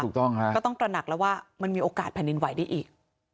ถูกต้องฮะก็ต้องตระหนักแล้วว่ามันมีโอกาสแผ่นดินไหวได้อีก